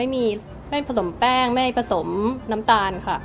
ไม่มีไม่ให้ผสมแป้งไม่ให้ผสมน้ำตาลค่ะ